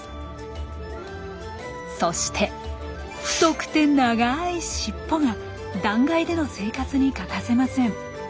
そして太くて長いしっぽが断崖での生活に欠かせません。